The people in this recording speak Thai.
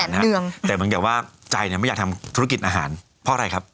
ทำแหน่งเดือนแต่มันอยากว่าใจเนี้ยไม่อยากทำธุรกิจอาหารเพราะอะไรครับ